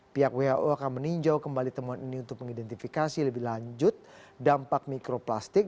pihak who akan meninjau kembali temuan ini untuk mengidentifikasi lebih lanjut dampak mikroplastik